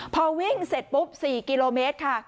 พอวิ่งเสร็จปุ๊บ๔กิโลเมตรค่ะ